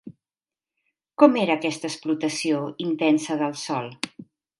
Com era aquesta explotació intensa del sòl?